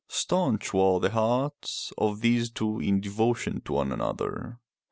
Staunch were the hearts of these two in devotion to one another.